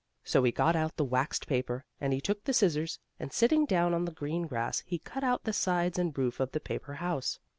So he got out the waxed paper, and he took the scissors, and, sitting down on the green grass, he cut out the sides and roof of the paper house.